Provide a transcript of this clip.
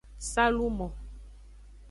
Salumo.